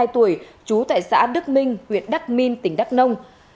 ba mươi hai tuổi chú tại xã đức minh huyện đắc minh tỉnh đắc nông